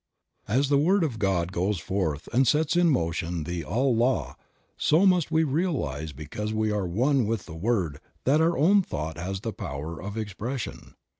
As the word of God goes forth and sets in motion the all law, so must we realize because we are one with the word that our own thought has the power of expression.